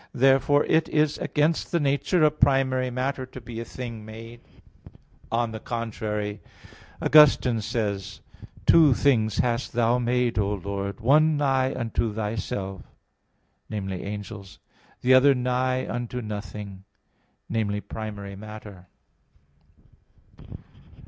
Therefore it is against the nature of primary matter to be a thing made. On the contrary, Augustine says (Confess. xii, 7), Two "things hast Thou made, O Lord; one nigh unto Thyself" viz. angels "the other nigh unto nothing" viz. primary matter.